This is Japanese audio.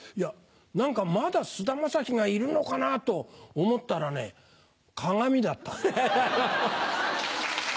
何かまだ菅田将暉がいるのかなと思ったらね鏡だった。